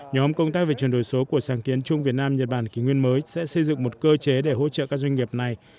nhóm công tác về chuyển đổi số của sáng kiến chung việt nam nhật bản kỷ nguyên mới sẽ xây dựng một cơ chế để hỗ trợ các doanh nghiệp này